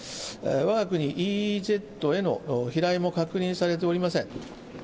わが国ＥＥＺへの飛来も確認されておりません。